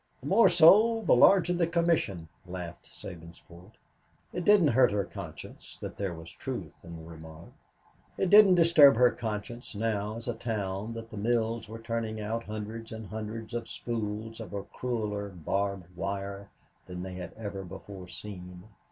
"The more sold the larger the commission," laughed Sabinsport. It didn't hurt her conscience that there was truth in the remark. It didn't disturb her conscience now as a town that the mills were turning out hundreds and hundreds of spools of a crueller barbed wire than they had ever before seen.